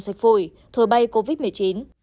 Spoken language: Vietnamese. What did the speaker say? sạch phổi thổi bay covid một mươi chín